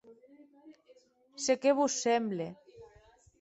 Se qué vos semble?